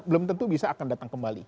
belum tentu bisa akan datang kembali